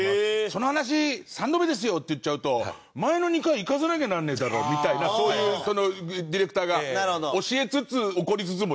「“その話３度目ですよ”って言っちゃうと前の２回生かさなきゃなんねえだろ！」みたいなそういうそのディレクターが教えつつ怒りつつもじゃない？